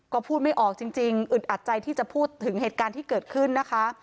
ก็พูดไม่ออกจริงอึดอัดใจที่จะพูดถึงเหตุการณ์ที่เกิดขึ้นนะคะ